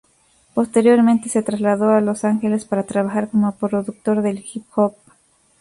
Posteriormente, se trasladó a Los Ángeles para trabajar como productor de hip-hop.